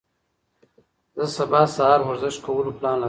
زه سبا سهار ورزش کولو پلان لرم.